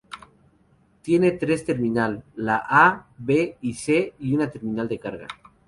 Tiene tres terminal, la A,B y C y una terminal de carga.